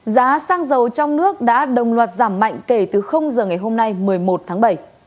giá xăng dầu trong nước đã đồng loạt giảm mạnh kể từ giờ ngày hôm nay một mươi một tháng bảy